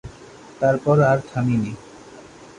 তারপর আর থামিনি।